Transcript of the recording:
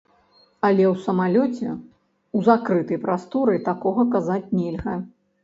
Але ў самалёце, у закрытай прасторы такога казаць нельга.